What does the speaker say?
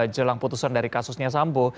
jelang putusan dari kasusnya sambo